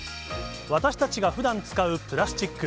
私たちがふだん使うプラスチック。